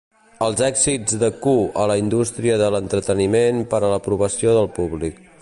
Els èxits de Ku a la indústria de l'entreteniment per a l'aprovació del públic.